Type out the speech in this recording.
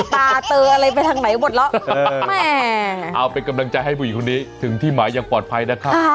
ตาเตออะไรไปทางไหนหมดแล้วแม่เอาเป็นกำลังใจให้ผู้หญิงคนนี้ถึงที่หมายอย่างปลอดภัยนะครับ